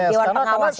dewan pengawas ya